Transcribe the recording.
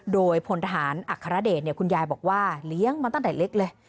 โดยพลทหารอัครเดชคุณยายบอกว่าเลี้ยงมาตั้งแต่เล็กเลย